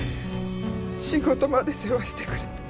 仕事まで世話してくれて。